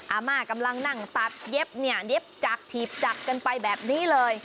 อาม่ากำลังนั่งตัดเย็บเนี่ยเย็บจากถีบจากกันไปแบบนี้เลย